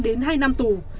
đến hai năm tù